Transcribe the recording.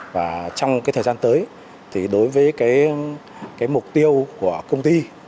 và trong thời gian tới đối với mục tiêu của công ty